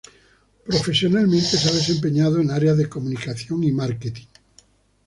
Profesionalmente se ha desempeñado en áreas de comunicación y de marketing.